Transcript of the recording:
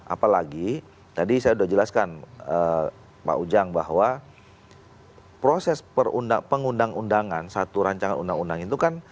apalagi tadi saya sudah jelaskan pak ujang bahwa proses pengundang undangan satu rancangan undang undang itu kan